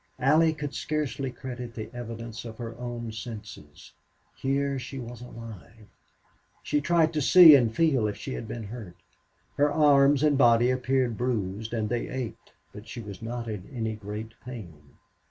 Allie could scarcely credit the evidence of her own senses. Here she was alive! She tried to see and feel if she had been hurt. Her arms and body appeared bruised, and they ached, but she was not in any great pain.